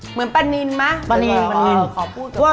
เหมือนปลานินมั้ยอ๋อขอพูดกัน